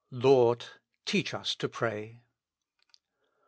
" Lord, teach us to pray."